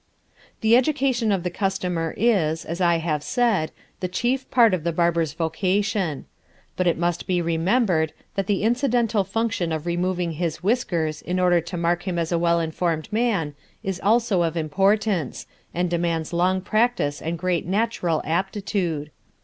The education of the customer is, as I have said, the chief part of the barber's vocation. But it must be remembered that the incidental function of removing his whiskers in order to mark him as a well informed man is also of importance, and demands long practice and great natural aptitude.